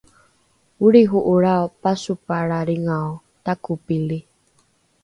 olriho’olrao pasopalra lingao takopili